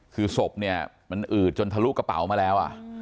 คือศพมันอืดจนระดูกกระเป๋ามาแล้ว